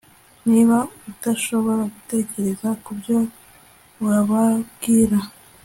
niba udashobora gutekereza kubyo wababwira